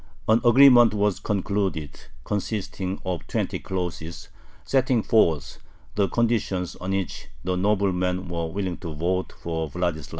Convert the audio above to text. An agreement was concluded, consisting of twenty clauses, setting forth the conditions on which the noblemen were willing to vote for Vladislav.